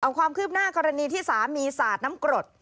เอาความคืบหน้ากรณีที่สามีสาดน้ำกรด